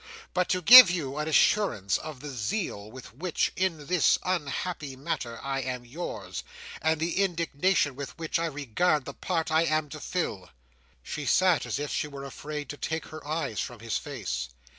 —"but to give you an assurance of the zeal with which, in this unhappy matter, I am yours, and the indignation with which I regard the part I am to fill!" She sat as if she were afraid to take her eyes from his face.